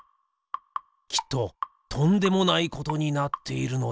きっととんでもないことになっているのでは？